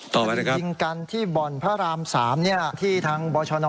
ตอบให้เลยครับ